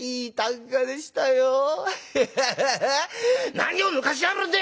『何をぬかしやがるんでえ